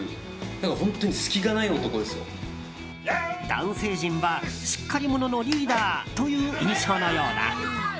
男性陣はしっかり者のリーダーという印象のようだ。